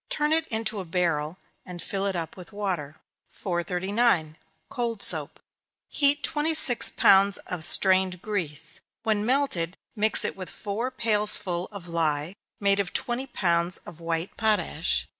Turn it into a barrel, and fill it up with water. 439. Cold Soap. Heat twenty six pounds of strained grease. When melted, mix it with four pailsful of lye, made of twenty pounds of white potash.